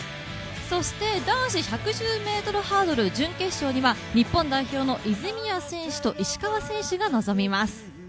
そして男子１１０ｍハードル準決勝には日本代表の泉谷選手と石川選手が臨みます。